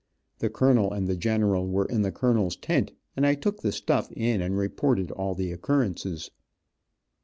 The colonel and the general were in the colonel's tent, and I took the "stuff" in and reported all the occurrences.